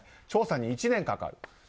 調査に１年かかる。